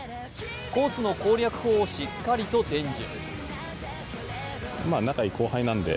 コースの攻略法をしっかりと伝授。